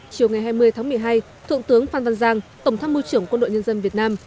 chiều ngày hai mươi tháng một mươi hai thượng tướng phan văn giang tổng tham mưu trưởng quân đội nhân dân việt nam